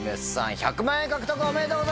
１００万円獲得おめでとうございます！